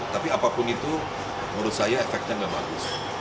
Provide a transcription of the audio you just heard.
tapi apapun itu menurut saya efeknya tidak bagus